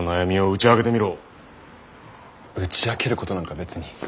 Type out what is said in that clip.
打ち明けることなんか別に。